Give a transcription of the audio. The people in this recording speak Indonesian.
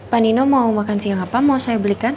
pak nino mau makan siang apa mau saya belikan